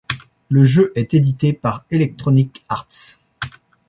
Le jeu est édité par Electronic Arts.